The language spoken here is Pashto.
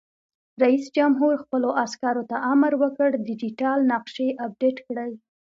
رئیس جمهور خپلو عسکرو ته امر وکړ؛ ډیجیټل نقشې اپډېټ کړئ!